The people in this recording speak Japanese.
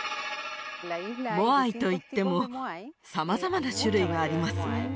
モアイといっても様々な種類があります